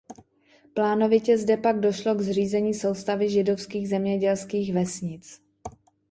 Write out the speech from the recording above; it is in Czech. Plánovitě zde pak došlo k zřízení soustavy židovských zemědělských vesnic.